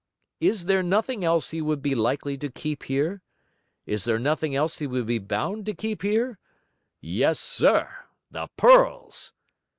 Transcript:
Is there nothing else he would be likely to keep here? Is there nothing else he would be bound to keep here? Yes, sir; the pearls!